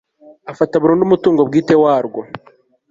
afata burundu umutungo bwite warwo